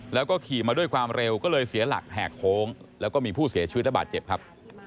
แล้วก็ขี่มาด้วยความเร็วก็เลยเสียหลักแหกโค้งแล้วก็มีผู้เสียชีวิตระบาดเจ็บครับ